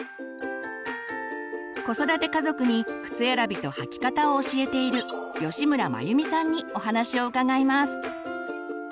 子育て家族に靴選びと履き方を教えている吉村眞由美さんにお話を伺います。